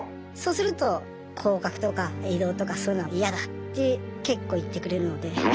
そうすると降格とか異動とかそういうのは嫌だって結構言ってくれるので。